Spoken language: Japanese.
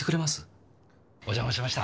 お邪魔しました。